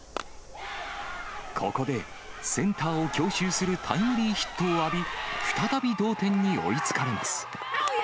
ここでセンターを強襲するタイムリーヒットを浴び、再び同点に追いつかれます。